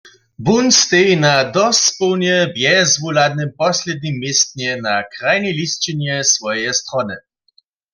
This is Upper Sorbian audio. Wón steji na dospołnje bjezwuhladnym poslednim městnje na krajnej lisćinje swojeje strony.